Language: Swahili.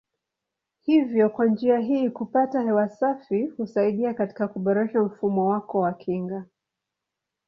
Hivyo kwa njia hii kupata hewa safi husaidia katika kuboresha mfumo wako wa kinga.